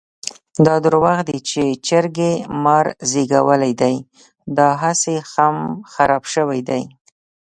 دا درواغ دي چې چرګې مار زېږولی دی؛ داهسې خم خراپ شوی دی.